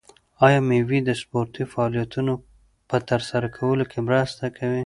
آیا مېوې د سپورتي فعالیتونو په ترسره کولو کې مرسته کوي؟